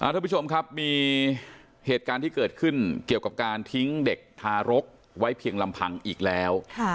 ทุกผู้ชมครับมีเหตุการณ์ที่เกิดขึ้นเกี่ยวกับการทิ้งเด็กทารกไว้เพียงลำพังอีกแล้ว